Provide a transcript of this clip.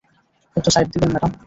একটু সাইড দেবেন, ম্যাডাম।